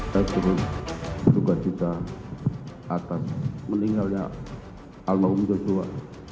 saya terus berdoa kita atas meninggalnya alma umudjojoa